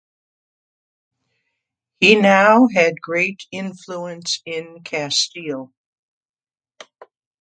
He now had great influence in Castile.